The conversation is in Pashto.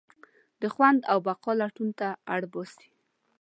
د خوند او بقا لټون ته اړباسي.